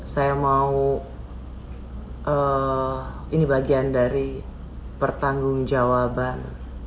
saya mau ini bagian dari pertanggung jawaban